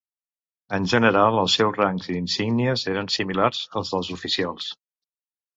En general, els seus rang i insígnies eres similars als dels oficials.